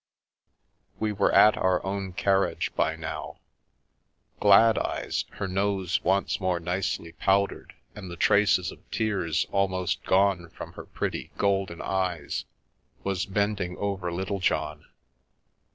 We were at our own carriage by now. Gladeyes, her nose once more nicely powdered and the traces of tears almost gone from her pretty golden eyes, was bending over Littlejohn.